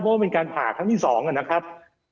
เพราะว่าเป็นการผ่าครั้งที่๒นะครับ